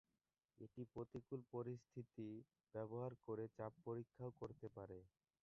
এটি প্রতিকূল পরিস্থিতি ব্যবহার করে চাপ পরীক্ষাও করতে পারে।